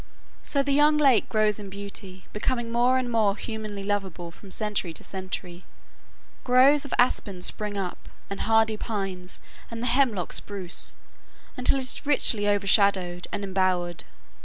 So the young lake grows in beauty, becoming more and more humanly lovable from century to century. Groves of aspen spring up, and hardy pines, and the Hemlock Spruce, until it is richly overshadowed and embowered.